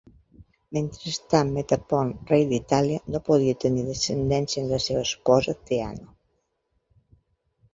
Mentrestant, Metapont, rei d'Itàlia, no podia tenir descendència amb la seva esposa Teano.